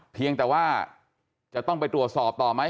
เพียงแต่ว่าจะต้องไปตรวจสอบต่อไหม